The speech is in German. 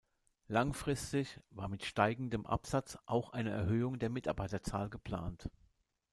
Langfristig war mit steigendem Absatz auch eine Erhöhung der Mitarbeiterzahl geplant.